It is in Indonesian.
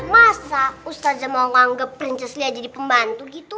masa ustadzah mau anggap princessmedia jadi pembantu gitu